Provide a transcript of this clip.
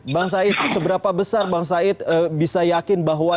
bang said seberapa besar bang said bisa yakin bahwa